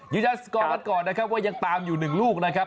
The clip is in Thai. ยืนยันสกอร์กันก่อนนะครับว่ายังตามอยู่๑ลูกนะครับ